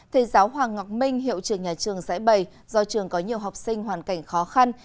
thầy giáo hoàng ngọc minh hiệu trường nhà trường sẽ bày do trường có nhiều học sinh hoàn cảnh khó khăn